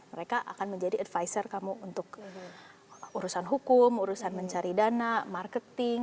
mereka akan menjadi advisor kamu untuk urusan hukum urusan mencari dana marketing